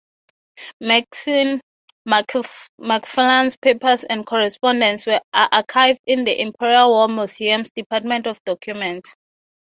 Mason-Macfarlane's papers and correspondence are archived in the Imperial War Museum's Department of Documents.